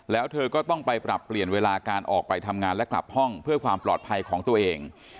แล้วเธอก็ต้องไปปรับเปลี่ยนเวลาการออกไปทำงานและกลับห้องเพื่อความปลอดภัยของตัวเอง